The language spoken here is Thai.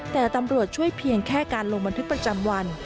แต่ตำรวจช่วยเพียงแค่การลงบันทึกประจำวัน